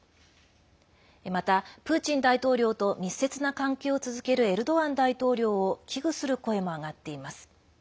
また、プーチン大統領と密接な関係を続けるエルドアン大統領を危惧する声も上がっています。